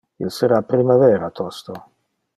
Il sera primavera tosto.